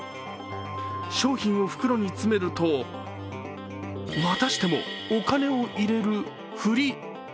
商品を袋に詰めるとまたしてもお金をいれるふり。